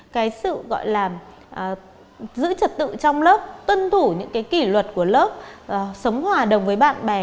cái sự gọi là giữ trật tự trong lớp tuân thủ những cái kỷ luật của lớp sống hòa đồng với bạn bè